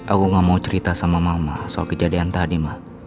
aku gak mau cerita sama mama soal kejadian tadi mah